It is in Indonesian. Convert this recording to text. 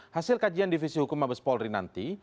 hasil kajian divisi hukum mabes polri nanti